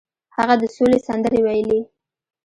هغه د سولې سندرې ویلې.